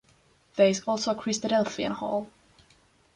There is also a Christadelphian hall.